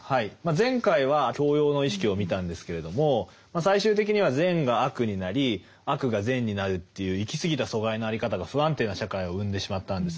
前回は教養の意識を見たんですけれども最終的には善が悪になり悪が善になるという行き過ぎた疎外の在り方が不安定な社会を生んでしまったんですね。